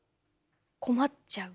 困っちゃう！